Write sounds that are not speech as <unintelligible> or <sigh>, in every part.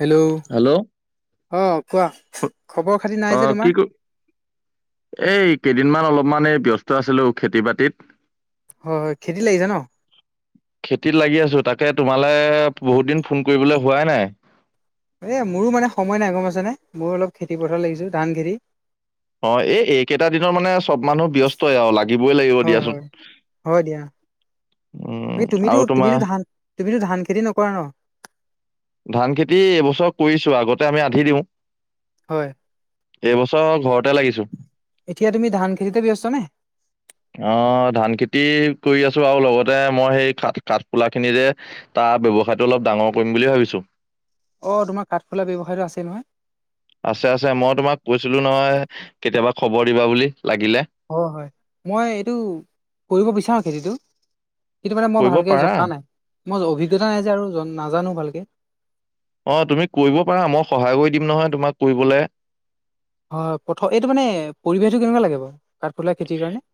Hello hello অ' কোৱা, খবৰ খাতি অ নাই যে, কি তোমাৰ? ক এই কেইদিনমান অলপমানে ব্যস্ত আছিলোঁ খেতি-বাতিত। হয, খেতি লাগিছে ন? খেতিত লাগি আছোঁ, তাকে তোমালে বহুত দিন ফোন কৰিবলে হোৱাই নাই। এ, মোৰো মানে সময় নাই, গম পাইছানে মোৰো অলপ খেতিপথাৰ লাগিছোঁ, দান খেতি। অ' এই-এইকেইটা দিনৰ মানে চব মানুহ ব্যস্তই আৰু লাগিবই লাগিব হয় দিয়াচোন। হয় হয় দিয়া উম <inaudible> তুমিতো, আৰু তোমাৰ তুমিতো ধান তুমিতো ধান-খেতি নকৰা ন? ধান-খেতি এইবছৰ কৰিছোঁ আগতে আমি আধি দিওঁ। হয়। এইবছৰ আৰু ঘৰত এতিয়া তুমি ধান-খেতিতে ব্যস্ত নে? উ <inaudible> অ' ধান-খেতি কৰি আছোঁ আৰু লগতে মই সেই কাঠ-কাঠ ফুলা খিনি যে তা, ব্যৱসায়টো অলপ ডাঙৰ কৰিম বুলি ভাবিছোঁ। অ' তোমাৰ কাঠফুলা ব্যৱসায়টো আছে নহয়? আছে আছে। মই তোমাক কৈছিলো নহয় কেতিয়াবা খবৰ দিবা বুলি লাগিলে। হয় মই এইটো কৰিব বিচাৰো খেতিটো। সেইটো মানে মই কৰিব ভালকে পাৰা জনা নাই। মই অভিজ্ঞতা নাই যে আৰু নাজানো ভালকে। তুমি কৰিব পাৰা মই সহায় কৰি দিম নহয় তোমাক কৰিবলে। হয় প্ৰথম এইটো মানে পৰিৱেশটো কেনেকুৱা লাগে বাৰু? কাঠফুলা খেতিৰ কাৰণে।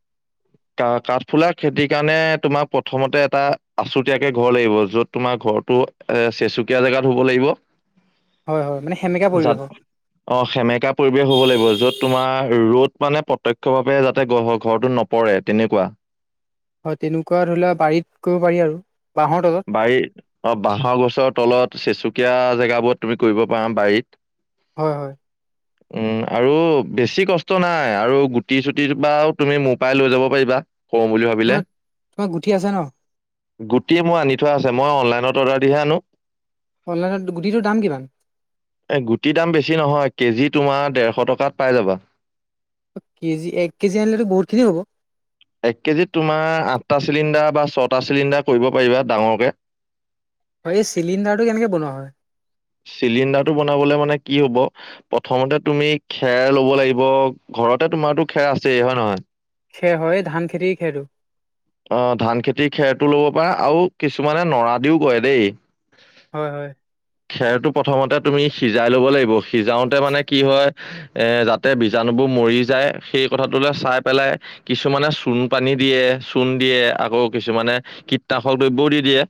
কা কাঠফুলাৰ খেতিৰ কাৰণে তোমাৰ প্ৰথমতে এটা আছুতীয়াকে ঘৰ লাগিব যত তোমাৰ ঘৰটো এ চেচুকীয়া জেগাত হ'ব লাগিব। হয় হয় মানে সেমেকা যাত পৰিৱেশৰ। অ' সেমেকা পৰিৱেশ হ'ব লাগিব। য'ত তোমাৰ ৰ'দ মানে প্ৰত্যক্ষভাৱে যাতে ঘৰটোত ন পৰে তেনেকুৱা। হয় তেনেকুৱা ধৰি লোৱা বাৰীত কৰিব পাৰি আৰু বাঁহৰ তলত। বাৰীত অ' বাঁহৰ গছৰ তলত চেচুকীয়া জেগাবোৰত তুমি কৰিব পাৰা বাৰীত হয় <inaudible> আৰু বেছি কষ্ট নাই আৰু গুটি চুটিৰ বাও তুমি মোৰ পৰাই লৈ যাব পাৰিবা। <unintelligible> তোমাৰ গুঠি আছে ন'? গুটি মোৰ আনি থোৱা আছে, মই অনলাইনত অৰ্ডাৰ দিহে আনো। অনলাইনত গুটিটোৰ দাম কিমান? গুটিৰ দাম বেছি নহয়, কেজি তোমাৰ ডেৰশ টকাত পাই যাবা। কেজি এক কেজি আনিলেতো বহুতখিনি হ'ব। এক কেজিত তোমাৰ আঠটা চিলিণ্ডাৰ বা ছটা চিলিণ্ডাৰ কৰিব পাৰিবা ডাঙৰকে। এই চিলিণ্ডাৰটো কেনেকে বনোৱা হয়? চিলিণ্ডাৰটো বনাবলে মানে কি হ'ব প্ৰথমতে তুমি খেৰ ল'ব লাগিব। ঘৰতে তোমাৰটো খেৰ আছেই হয় নহয়। হয়, ধান খেতিৰ খেৰটো? অ' ধান খেতিৰ খেৰটোও ল'ব পাৰা আৰু কিছুমানে নৰা দিও কৰে দেই। হয় খেৰটো প্ৰথমতে তুমি সিজাই ল'ব লাগিব, সিজাওতে মানে কি হয় এ যাতে বীজাণুবোৰ মৰি যায় সেই কথাটোলে চাই পেলাই কিছুমানে চূণ পানী দিয়ে চূণ দিয়ে আকৌ কিছুমানে কীটনাশক দ্ৰব্যও দি দিয়ে।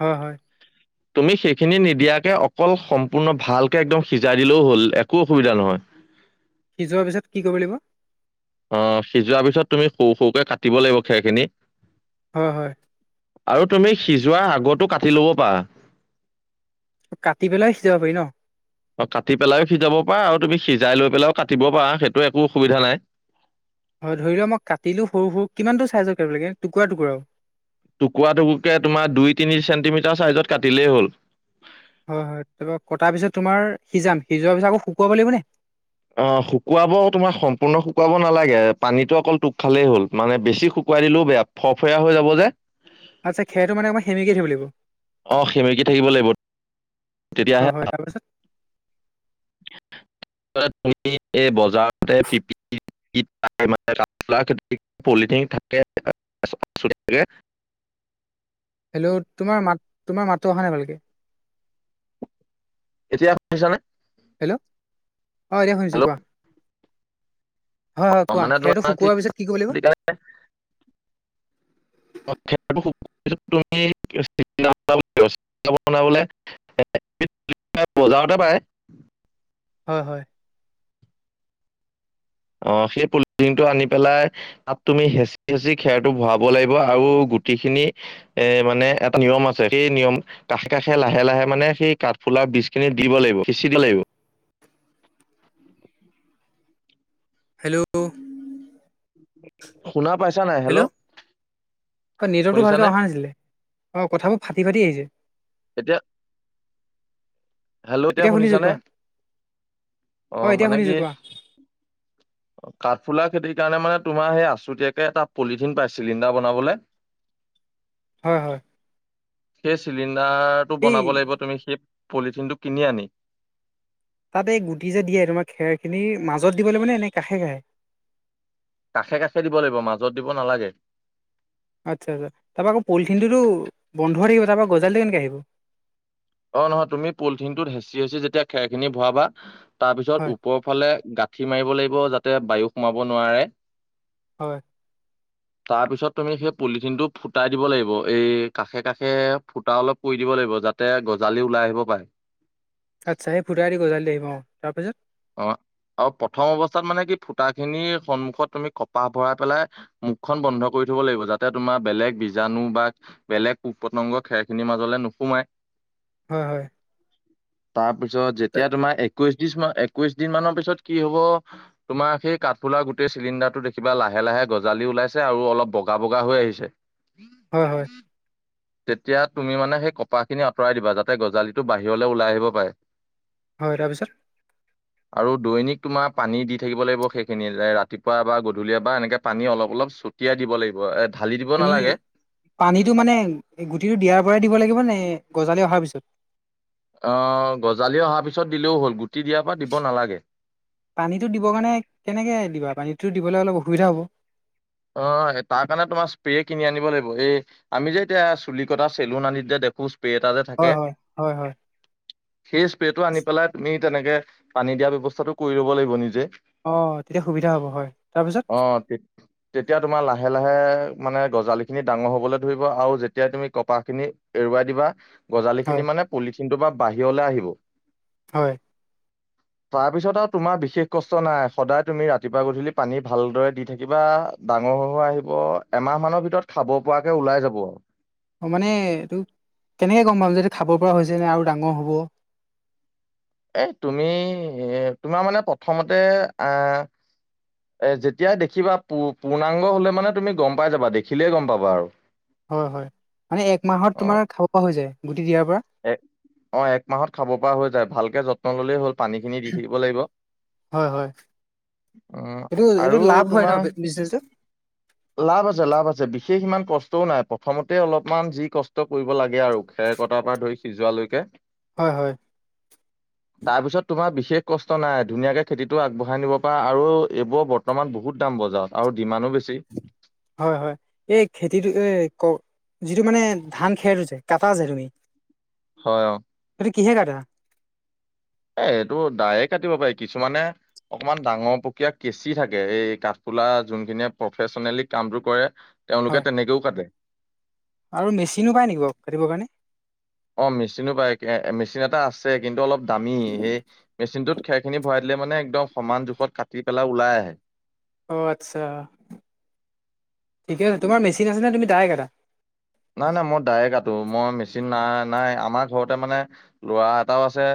হয় হয়। <inaudible> তুমি সেইখিনি নিদিয়াকে অকল সম্পূৰ্ণ ভালকে একদম সিজাই দিলেও হ'ল একো অসুবিধা নহয়। <inaudible> সিজোৱাৰ পিছত কি কৰিব লাগিব? অ' সিজোৱাৰ পিছত তুমি সৰু সৰুকে কাটিব লাগিব খেৰখিনি। হয়। আৰু তুমি সিজোৱাৰ আগতো কাটি ল'ব পাৰা। কাটি পেলাই সিজাব পাৰি ন'? অ' কাটি পেলাইও সিজাব পাৰা আৰু তুমি সিজাই লৈ পেলাইও কাটিব পাৰা সেইটো একো অসুবিধা নাই। হয় ধৰি লোৱা মই কাটিলোঁ সৰু সৰু, কিমানটো ছাইজৰ কিব লাগে টুকুৰা টুকুৰ টুকুৰা টকুৰকে তোমাৰ দুই তিনি চেণ্টিমিটাৰ চাইজত কাটিলেই হ'ল। হয়, হয়, তাপা কটাৰ পিছত তোমাৰ সিজাম, সিজোৱাৰ পিছত আকৌ শুকুৱাব লাগিবনে? অ' শুকুৱাব তোমাৰ সম্পূৰ্ণ শুকুৱাব নালাগে, পানীটো অকল টোক খালেই হ'ল, মানে বেছি শুকুৱাই দিলেও বেয়া। ফ ফৰিয়া হৈ যাব যে। আচ্ছা, খেৰটো মানে অকমান সেমিকি থাকিব লাগিব। অ' সেমেকি থাকিব লাগিব তেতিয়াহে অ' হয় তাৰপিছত। তুমি এই বজাৰতে পিপ <unintelligible> পলিথিন থাকে। <unintelligible> হেল্ল', তোমাৰ মাত, তোমাৰ মাতটো অহা নাই ভালকে। এতিয়া শুনিছানে? হেল্ল', অ' এতিয়া শুনিছোঁ হেল্ল' কোৱা? হয়, হয়, কোৱা, মানে খেৰটো তোমাৰ শুকোৱাৰ পিছত কি কৰিব লাগিব? <unintelligible> খেৰটো শুকুৱা পিছত <unintelligible> <unintelligible> বজাৰতে পায়। হয়, হয়। অ' সেই পুলিটিংটো আনি পেলাই। তাত তুমি হেঁচি, হেঁচি খেৰটো ভৰাব লাগিব, আৰু গুটি খিনি। এ মানে এটা নিয়ম আছে, সেই নিয়ম। কাষে, কাষে, লাহে, লাহে, মানে সেই কাঠফুলাৰ বীজ খিনি দিব লাগিব, সিঁচিব লাগিব। হেল্ল'? শুনা পাইছা নাই, হেল্ল'? অ' নেটৱৰ্কটো ভালকে শুনিছানে অহা নাছিলে, অ' কথাবোৰ ফাটি ফাটি আহিছে। এতিয়া হেল্ল', এতিয়া শুনিছা শুনিছো নে? কোৱা অ' এতিয়া মানে কি শুনিছো কোৱা কাঠফুলা খেতিৰ কাৰণে মানে তোমাৰ সেই আছুতীয়াকে এটা পলিথিন পায়, চিলিণ্ডাৰ বনাবলে। <inaudible> হয়, হয়। সেই চিলিণ্ডাৰটো এই বনাব লাগিব, তুমি সেই পলিথিনটো কিনি আনি। তাতে এই গুটি যে দিয়ে তোমাৰ খেৰ খিনি, মাজত দিব লাগিবনে নে কাষে কষে? কাষে কাষে দিব লাগিব মাজত দিব নালাগে। আচ্ছা, আচ্ছা, তাপা আকৌ পলিথিনতোটো বন্ধ থাকিব, তাপা গজালিটো কেনেকে আহিব? অ' ন তুমি পলিথিনটোত হেঁচি হেঁচি যেতিয়া খেৰখিনি ভৰাবা, হয় তাৰপিছত ওপৰৰ ফালে গা গাঠি মাৰিব লাগিব, যাতে বায়ু সোমাব নোৱাৰে। হয়। <inaudible> তাৰপিছত তুমি সেই পুলিথিনটো ফুটাই দিব লাগিব, এই কাষে কাষে ফুটা অলপ কৰি দিব লাগিব, যাতে গজালি ওলাই আহিব পাৰে। আচ্ছা, সেই ফুটাই দি গজালি আহিব, অ' তাৰপিছত? অ' আৰু প্ৰথম অৱস্থাত মানে কি ফুটা খিনিৰ সন্মুখত তুমি কপাহ ভৰাই পেলাই। মুখখন বন্ধ কৰি থব লাগিব, যাতে তোমাৰ বেলেগ বীজাণু বা বেলেগ পোকপতংগ খেৰ খিনিৰ মাজলে নোসোমাই। হয়, হয়। তাৰপিছত যেতিয়া তোমাৰ একৈশ দি, একৈশ দিন মানৰ পিছত কি হব। তোমাৰ সেই কাঠফুলাৰ গোটেই চিলিণ্ডাৰটো দেখিবা, লাহে লাহে গজালি ওলাইছে, আৰু অলপ বগা, বগা হৈ আহিছে। হয়, হয়। তেতিয়া তুমি মানে সেই কপাহখিনি আঁতৰাই দিবা, যাতে গজালিটো বাহিৰলে ওলাই আহিব পাৰে। হয় তাৰ পিছত। আৰু দৈনিক তোমাৰ পানী দি থাকিব লাগিব সেইখিনি ৰাতিপুৱা বা গধূলি বা এনেকে পানী অলপ অলপ চ তিয়াই দিব লাগিব এ ঢালি দিব পানী নালাগে। পানীটো মানে গুটিটো দিয়াৰ পৰাই দিব লাগিব নে গজালি অহাৰ পিছত। অ গজালি অহাৰ পিছত দিলেও হ'ল গুটি দিয়াৰ পৰা দিব নালাগে। পানীটো দিব কাৰণে কেনেকে দিবা পানীটো দিবলে অলপ অসুবিধা হ'ব। অ তাৰ কাৰণে তোমাৰ স্প্ৰে কিনি আনিব লাগিব। সে আমি যে এতিয়া চুলি কটা চেলুন আনিত যে দেখো স্প্ৰে এটা যে থাকে। হয় হয়। হয় হয়। সেই স্প্ৰেটো আনি পেলাই তুমি তেনেকে পানী দিয়া ব্যৱস্থাটো কৰি ল'ব লাগিব নিজে। অ তেতিয়া সুবিধা হ'ব হয়। তাৰপিছত? অ তে তেতিয়া তোমাৰ লাহে লাহে মানে গজালি খিনি ডাঙৰ হবলৈ ধৰিব আও যেতিয়াই তুমি কপাহ খিনি এৰুৱাই দিবা গজালি হয় খিনি মানে পলিথিনটোৰ বা বাহিৰলৈ আহিব। হয়। <inaudible> তাৰ পিছত আৰু তোমাৰ বিশেষ কষ্ট নাই, সদায় তুমি ৰাতিপুৱা গধূলি পানী ভালদৰে দি থাকিবা। ডাঙ হৈ হৈ আহিব। এমাহ মানৰ ভিতৰত খাব পৰাকে ওলাই যাব। অ মানে এইটো কেনেকে গম পাম যে এইটো খাব পৰা হৈছে নে আৰু ডাঙৰ হ'ব? এ তুমি তোমাৰ মানে প্ৰথমতে আহ এ যেতিয়াই দেখিবা পূ পূৰ্ণাংগ হলে মানে তুমি গম পাই যাবা দেখিলেই গম পাবা আৰু। হয় হয়। মানে এক মাহত তোমাৰ খাব পৰা হৈ যায় গুটি দিয়াৰ পৰা? এ অ এক মাহত খাব পৰা হৈ যায়। ভালকে যত্ন ল'লেই হ'ল। পানীখিনি দি থাকিব লাগিব। হয় হয়। উম এইটো এইটো আৰু লাভ হয় ন তোমাৰ বিজনেচটো। লাভ আছে লাভ আছে। বিশেষ ইমান কষ্টও নাই। প্ৰথমতে অলপমান যি কষ্ট কৰিব লাগে আৰু খেৰ কটা পৰা ধৰি সিজোৱালৈকে। হয় হয়। তাৰপিছত তোমাৰ বিশেষ কষ্ট নাই। ধুনীয়াকে খেতিটো আগবঢ়াই নিব পাৰা আৰু এইবোৰৰ বৰ্তমান বহুত দাম বজাৰত আৰু ডিমানো বেছি। হয় হয়। এই খেতিটো এ ক যিটো মানে ধান খেৰটো যে? কাটা যে তুমি? হয় অ। সেইটো কিহে কাটা? এ এইটো দায়ে কাটিব পাৰি, কিছুমানে অকমান ডাঙৰ পকীয়া কেঁচি থাকে এই কাঠফুলা যোনখিনিয় প্ৰফেচনেলি কামটো কৰে। হয় তেওঁলোকে তেনেকেও কাটে। আৰু মেচিনো পায় নেকি বাও? কাটিব কাৰণে? অ মেচিনো পায়, মেচিন এটা আছে কিন্তু অলপ দামী সেই মেচিনটোত খেৰ খিনি ভৰাই দিলে মানে একদম সমান জোখত কাটি পেলাই ওলাই আহে। অঁ আচ্ছা ঠিকে আছে। তোমাৰ মেচিন আছেনে তুমি দাৰে কাটা? না না মই দাৰে কাটো মই মেচিন নাই নাই আমাৰ ঘৰতে মানে লৰা এটাও আছে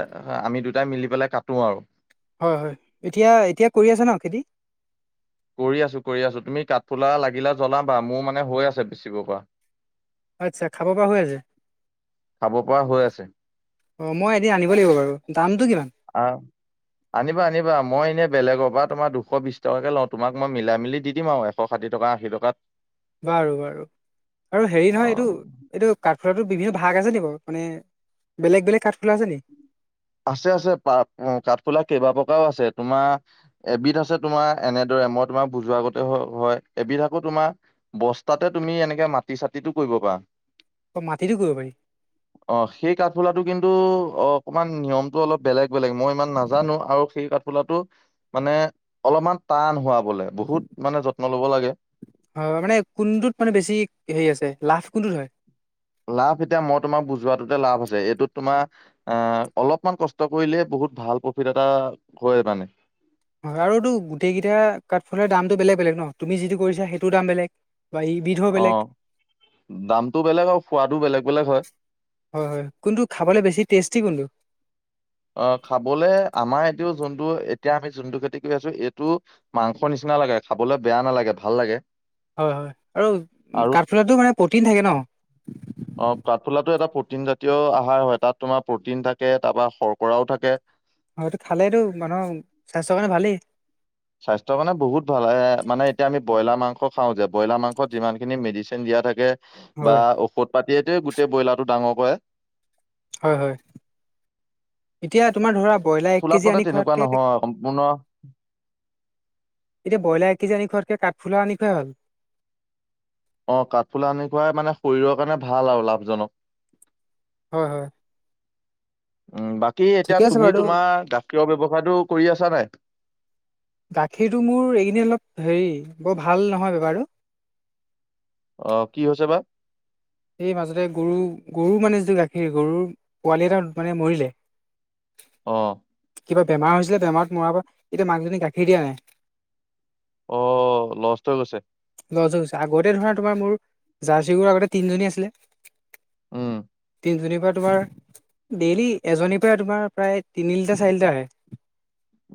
আমি দুটাই মিলি পেলাই কাটো আৰু। হয়, হয়, এতিয়া এতিয়া কৰি আছে ন খেতি? কৰি আছোঁ‌, কৰি আছোঁ‌, তুমি কাঠফুলা লাগিলে জ্বনাবা, মোৰ মানে হৈ আছে বেচিব পৰা। আচ্ছা, খাব পৰা হৈ আছে? খাব পৰা হৈ আছে অ', মই এদিন আনিব লাগিব বাৰু। দামটো কিমান? আ। আনিবা আনিবা, মই এনেই বেলেগ পা তোমাৰ দুশ বিশ টকাকে লওঁ, তোমাক মই মিলাই মেলি দি দিম আৱ এ এশ ষাঠি টকা, আশী টকাত। বাৰু বাৰু, আৰু হেৰি নহয় অ এইটো এইটো কাঠফুলাতো বিভিন্ন ভাগ আছে নি বাও? মানে বেলেগ বেলেগ কাঠফুলা আছে নি? আছে আছে পা-কাঠফুলা কেইবা প্ৰকাৰও আছে, তোমাৰ এবিধ আছে তোমাৰ এনেদৰে মই তোমাৰ বুজোৱাৰ গতে হয়, এবিধ আকৌ তোমাৰ বস্তাতে তুমি এনেকে মাটি চাতিটো কৰিব পাৰা। অ', মাতিটো কৰিব পাৰি? অ', সেই কাঠফুলাটো কিন্তু অ', অকমান নিয়মতটো অলপ বেলেগ বেলেগ, মই ইমান নাজানো আৰু সেই কাঠফুলাটো মানে অলপমান টান হোৱা বলে, বহুত মানে যত্ন ল'ব লাগে। হয় মানে কোনটোত মানে বেছি হেৰি আছে লাভ কোনটোত হয়? লাভ এতিয়া মই তোমাক বুজোৱাটোতে লাভ আছে, এইটোত তোমাৰ অ', অলপমান কষ্ট কৰিলে বহুত ভাল প্ৰফিট এটা হয় মানে। হয়, আৰুতো গোটেইকেইটা কাঠফালাৰৰ দামটো বেলেগ বেলেগ ন, তুমি যিটো কৰিছা সেইটো দাম বেলেগ। বা ইবিধো অ', বেলেগ দামটো বেলেগ, আৰু খোৱাতটো বেলেগ বেলেগ হয। হয় হয়, কোনটো খাবলৈ বেছি টেষ্টি কোনটো? আহ, খাবলে আমাৰ এইটোও যোনটো এতিয়া আমি যোনটো খেতি কৰি আছো এইটো মাংস নিচিনা লাগে, খাবলে বেয়া নালাগে, ভাল লাগে। হয় হয়, আৰু আৰু কাঠফুলাটো মানে প্ৰটিন থাকে ন? অ', কাঠফুলাটো এটা প্ৰটিন জাতীয় আহাৰ হয়, তাত তোমাৰ প্ৰটিন থাকে, তাৰপৰা শৰ্কৰাও থাকে। হয়, এইটো খালেটো মানুহৰ স্বাস্থ্যৰ কাৰণে ভালেই। স্বাস্থ্যৰ কাৰণে বহুত ভাল, এ, মানে এতিয়া আমি ব্ৰইলাৰ মাংস খাওঁ যে ব্ৰইলাৰ মংস যিমানখিনি মেডিচিন দিয়া থাকে বা হয় ঔষধ পাতিয়টোৱে গোটেই ব্ৰইলাৰ টো ডাঙৰ কৰে। হয় হয়। এতিয়া তোমাৰ ধৰা ব্ৰইলাৰ এক কাঠফুলাত কেজি মানে আনি তেনেকুৱা খোৱাতকে নহয় সম্পূৰ্ণ এতিয়া বইলাৰ কেজি আনি খোৱাতকে কাঠফুলা আনি খুৱাই ভাল। অ', কাঠফুলা আনি খুৱাই মানে শৰীৰৰ কাৰণে ভাল আৰু লাভজনক। হয় হয়। উম, বাকী এতিয়া ঠিকে আছে তুমি বাৰু তোমাৰ গাখীৰৰ ব্যৱসায়টো কৰি আছা নাই? গাখীৰটো মোৰ এইগিদিন অলপ হেৰি, বৰ ভাল নহয় বেপাৰটো। অ', কি হৈছে বা? সেই মাজতে গৰু, গৰু মানে যিটো গাখীৰ গৰুৰ পোৱালি এটা মানে মৰিলে। অ'। কিবা বেমাৰ হৈছিলে বেমাৰত মৰা পা, এতিয়া মাকজনী গাখীৰ দিয়া নাই। অ', লষ্ট হৈ গৈছে। লষ্ট হৈ গৈছে, আগতে ধৰা তোমাৰ মোৰ জাৰ্চি গৰু আগতে তিনিজনী আছিলে। উম। তিনিজনীৰ পৰা তোমাৰ, ডেইলি এজনীৰ পৰা তোমাৰ প্ৰায় তিনি লিটাৰ চাৰি লিটাৰ আহে।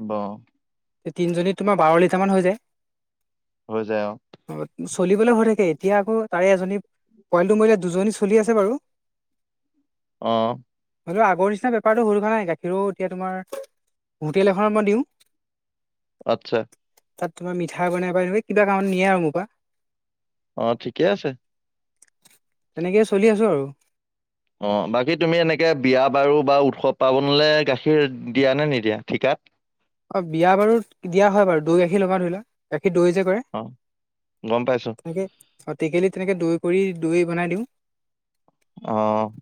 বাহ। এই তিনজনীত তোমাৰ বাৰ লিটাৰ মান হৈ যায়। হৈ যায় অ অ চলিবলে হৈ থাকে এতিয়া আকৌ তাৰে এজনী পোৱালিটো মৰিলে দুজনী চলি আছে বাৰু অ' হলেও‌ আগৰ নিচিনা বেপাৰটো হৈ থকা নাই গাখীৰ‌ও এতিয়া তোমাৰ হোটেল এখনত মই দিওঁ আচ্ছা তাত তোমাৰ মিঠাই বনাই বা এনেকা কিবা কামত নিয়ে আৰু মোৰ পৰা অ' থিকে আছে তেনেকেই চলি আছোঁ আৰু অ' বাকী তুমি এনেকৈ বিয়া বাৰু বা উৎসৱ পাৰ্বনলৈ গাখীৰ দিয়ানে নিদিয়া ঠিকাত অ বিয়া বাৰুত দিয়া হয় বাৰু দৈ গাখীৰ লগাওঁ ধৰিলোৱা গাখীৰ দৈ যে কৰে অ গম পাইছোঁ সেইটো আও টেকেলিত তেনেকে দৈ কৰি দৈ বনাই দিওঁ অ'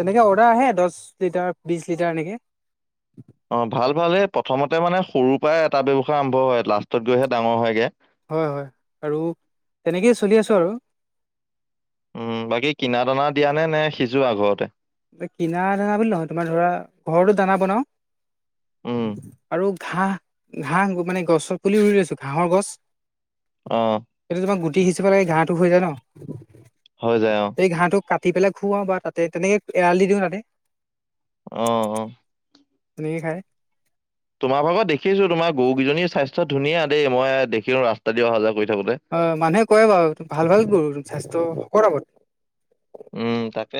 তেনেকে অৰ্ডাৰ আহে দছ লিটাৰ বিশ লিটাৰ এনেকে অ ভাল ভাল হেই প্ৰথমতে মানে সৰুৰ পৰাই এটা ব্যৱসায় আৰম্ভ হয় লাষ্টত গৈহে ডাঙৰ হয়গে। হয় হয় আৰু তেনেকেই চলি আছোঁ আৰু। উম বাকী কিনা দানা দিয়া নে নে সিজোৱা ঘৰতে? কিনা দানা বুলি নহয় তোমাৰ ধৰা ঘৰতো দানা বনাওঁ উম আৰু ঘাঁহ ঘাঁহ মানে গছৰ পুলি ৰুই লৈছো ঘাঁহৰ গছ অ' এইটো তোমাৰ গুটি সিঁচিব লাগে ঘাঁহটো হৈ যায় হৈ ন যায় অ সেই ঘাঁহটো পাত দি পেলাই খুৱাওঁ বা তাতে তেনেকৈ এৰাল দিওঁ তাতে। অ' অ' তেনেকে খায়। তোমাৰ ভাগৰ দেখিছোঁ তোমাৰ গৰুকেইজনীৰ স্বাস্থ্য ধুনীয়া দেই মই দেখো ৰাস্তা দি অহা যোৱা কৰি থাকোতে। হয় মানুহে কয় বাৰু ভাল ভাল গৰু স্বাস্থ্য শকত আবত। উম, তাকে।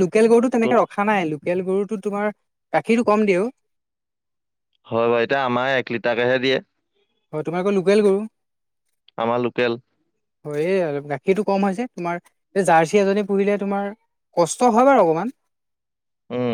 লোকেল গৰুটো তো তেনেকে ৰখ খা নাই লোকেল গৰুটো তোমাৰ গাখীৰটো কম দিয়ে আও। হয় বাৰু এতিয়া আমাৰে এক লিটাৰ কেহে দিয়ে। হয় তোমাৰ আকৌ লোকেল গৰু। আমাৰ লোকেল। হয়েই গাখীৰটো কম হয় যে, তোমাৰ জাৰ্চি এজনী পুহিলে তোমাৰ কষ্ট হয় বাৰু অকমান উম।